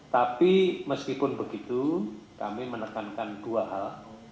tapi meskipun begitu kami menekankan dua hal